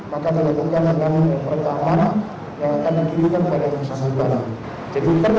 maka tidak mungkin yang pertama yang akan dikirimkan pada usaha barang